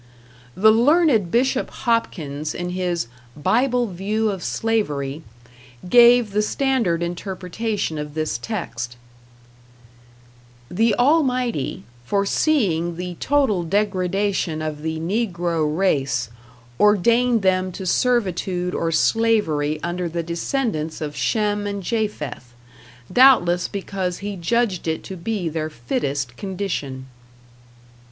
The learned Bishop Hopkins, in his "Bible View of Slavery", gave the standard interpretation of this text: The Almighty, forseeing the total degredation of the Negro race, ordained them to servitude or slavery under the descendants of Shem and Japheth, doubtless because he judged it to be their fittest condition.